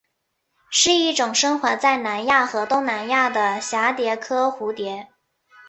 是一种生活在南亚和东南亚的蛱蝶科蝴蝶。